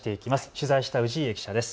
取材した氏家記者です。